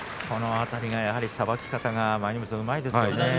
この辺りのさばき方うまいですね。